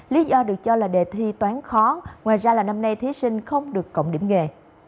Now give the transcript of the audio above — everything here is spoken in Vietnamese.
lý do được cho là đề thi toán khó ngoài ra là năm nay thí sinh không được cộng điểm nghề